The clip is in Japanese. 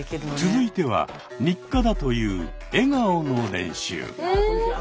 続いては日課だという笑顔の練習。